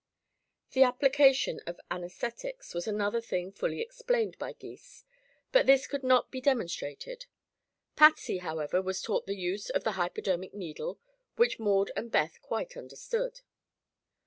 The application of anaesthetics was another thing fully explained by Gys, but this could not be demonstrated. Patsy, however, was taught the use of the hypodermic needle, which Maud and Beth quite understood.